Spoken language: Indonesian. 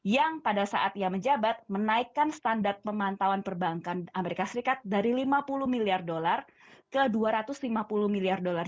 yang pada saat ia menjabat menaikkan standar pemantauan perbankan amerika serikat dari lima puluh miliar dolar ke dua ratus lima puluh miliar dolar